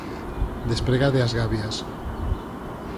Despregade as gavias.